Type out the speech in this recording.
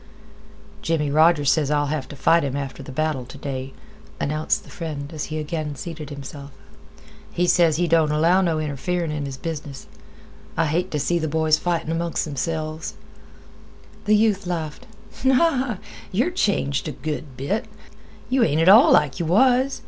"Jimmie Rogers ses I'll have t' fight him after th' battle t' day," announced the friend as he again seated himself. "He ses he don't allow no interferin' in his business. I hate t' see th' boys fightin' 'mong themselves." The youth laughed. "Yer changed a good bit. Yeh ain't at all like yeh was.